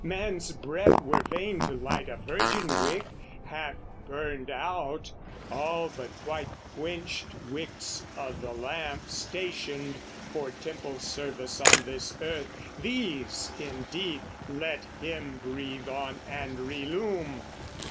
Man's breath were vain to light a virgin wick, Half burned out, all but quite quenched wicks o' the lamp Stationed for temple service on this earth, These indeed let him breathe on and relume!